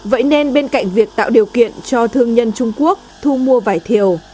vậy nên bên cạnh việc tạo điều kiện cho thương nhân trung quốc thu mua vải thiều